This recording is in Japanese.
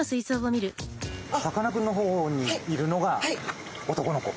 さかなクンの方にいるのが男の子。